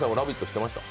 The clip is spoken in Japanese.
知ってました？